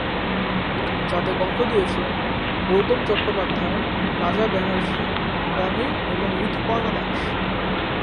যাতে কন্ঠ দিয়েছেন, গৌতম চট্টোপাধ্যায়, রাজা ব্যানার্জী, বনি এবং ঋতুপর্ণা দাশ।